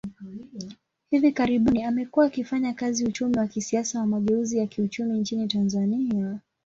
Hivi karibuni, amekuwa akifanya kazi uchumi wa kisiasa wa mageuzi ya kiuchumi nchini Tanzania.